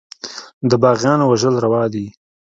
د باغيانو وژل روا دي.